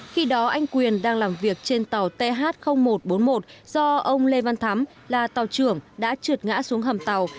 khi đó anh quyền đang làm việc trên tàu th một trăm bốn mươi một do ông lê văn thắm là tàu trưởng đã trượt ngã xuống hầm tàu